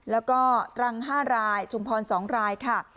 แล้วก็ตรัง๕รายชุมพร๒รายค่ะ